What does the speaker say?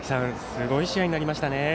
すごい試合になりましたね。